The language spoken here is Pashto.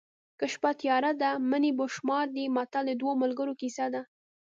که شپه تیاره ده مڼې په شمار دي متل د دوو ملګرو کیسه ده